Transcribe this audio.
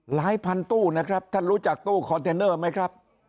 หลายพันตู้นะครับท่านรู้จักตู้คอนเทนเนอร์ไหมครับ